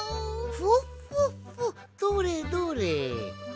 フォッフォッフォッどれどれ？